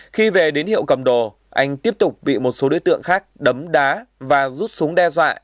khi về đến hiệu cầm đồ anh tiếp tục bị một số đối tượng khác đấm đá và rút súng đe dọa